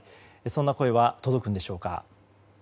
そんな声は届くんでしょうか。